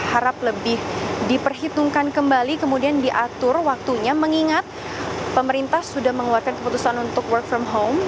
harap lebih diperhitungkan kembali kemudian diatur waktunya mengingat pemerintah sudah mengeluarkan keputusan untuk work from home